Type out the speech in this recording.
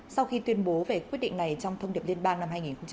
sau khi tuyên bố về quyết định này trong thông điệp liên bang năm hai nghìn hai mươi ba